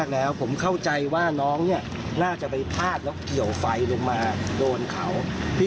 แล้วอาจจะทำให้ไฟดูดไฟรั่วไฟช็อตแบบนี้